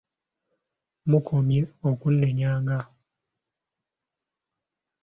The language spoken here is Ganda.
Mukomye okunenyagana.